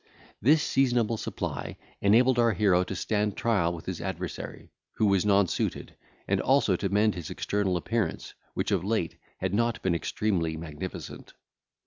This seasonable supply enabled our hero to stand trial with his adversary, who was nonsuited, and also to mend his external appearance, which of late had not been extremely magnificent.